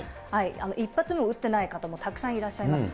１発目を打ってない方もたくさんいらっしゃいます。